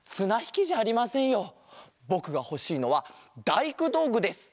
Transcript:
ぼくがほしいのはだいくどうぐです。